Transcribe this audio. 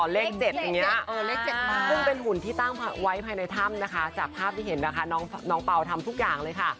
เลข๗อย่างนี้เลข๗บ้างซึ่งเป็นหุ่นที่ตั้งไว้ภายในถ้ำนะคะจากภาพที่เห็นนะคะน้องเปล่าทำทุกอย่างเลยค่ะ